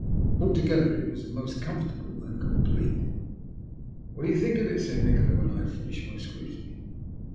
Alto gether it was most comfortable and complete. "What do you think of it?" said Nikola, when I had finished my scrutiny.